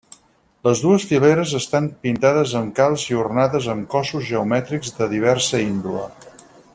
Les dues fileres estan pintades amb calç i ornades amb cossos geomètrics de diversa índole.